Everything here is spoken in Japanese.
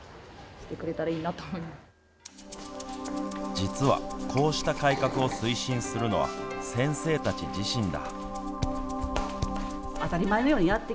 実はこうした改革を推進するのは先生たち自身だ。